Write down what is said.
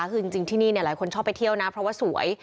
คือจริงที่นี่หลายคนชอบไปเที่ยวนะเพราะว่าสวย